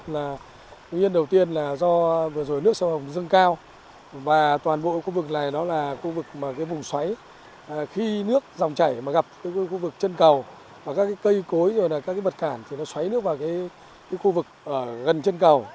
nguyên nhân đầu tiên là do vừa rồi nước sông hồng dâng cao và toàn bộ khu vực này là khu vực mà vùng xoáy khi nước dòng chảy mà gặp khu vực trần cầu và các cây cối các vật cản xoáy nước vào khu vực gần trần cầu